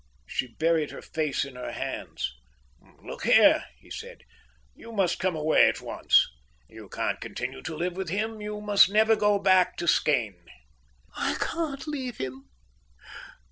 She buried her face in her hands. "Look here," he said, "you must come away at once. You can't continue to live with him. You must never go back to Skene." "I can't leave him.